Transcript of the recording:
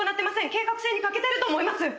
計画性に欠けてると思います！